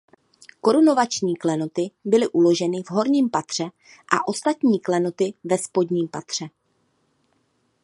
Korunovační klenoty byly uloženy v horním patře a ostatní klenoty ve spodním patře.